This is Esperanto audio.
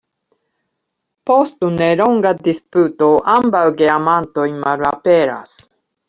Post nelonga disputo, ambaŭ geamantoj malaperas.